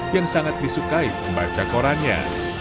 yang sangat disukai pembaca korannya